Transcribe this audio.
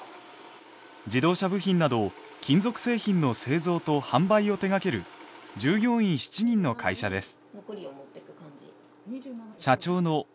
自動車部品など金属製品の製造と販売を手掛ける従業員７人の会社です。